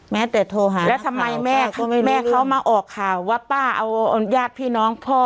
แม้แต่โทรหาแล้วทำไมแม่เขามาออกข่าวว่าป้าเอาญาติพี่น้องพ่อ